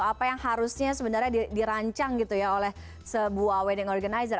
apa yang harusnya sebenarnya dirancang gitu ya oleh sebuah wedding organizer